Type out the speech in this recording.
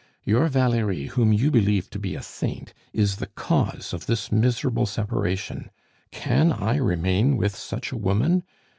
Your Valerie, whom you believe to be a saint, is the cause of this miserable separation; can I remain with such a woman?